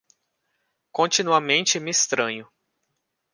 Continuamente me estranho.